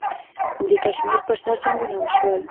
د کشمیر پر سر جنګونه وشول.